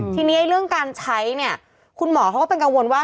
ทีนี้เรื่องการใช้เนี่ยคุณหมอเขาก็เป็นกังวลว่า